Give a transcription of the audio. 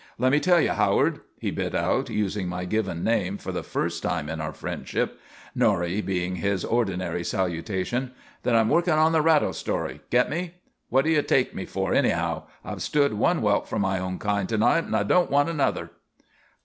"Let me tell you, Howard," he bit out, using my given name for the first time in our friendship, "Norrie" being his ordinary salutation, "that I'm working on the Ratto story. Get me? What do you take me for, anyhow? I've stood one welt from my own kind to night and I don't want another."